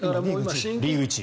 リーグ１位。